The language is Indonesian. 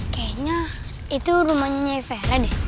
kayaknya itu rumahnya nyai fera deh